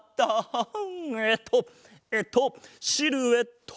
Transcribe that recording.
えっとえっとシルエット！